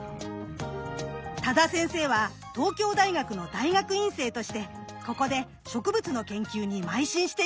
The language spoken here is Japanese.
多田先生は東京大学の大学院生としてここで植物の研究にまい進していました。